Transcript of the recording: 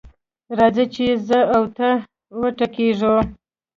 راځه چې زه او ته وټکېږو.